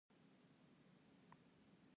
خو دوي د دغه فرمان پروا اونکړه